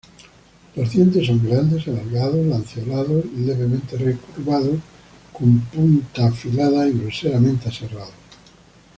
Los dientes son grandes, alargados, lanceolados, levemente recurvados, con punta afilada y groseramente aserrados.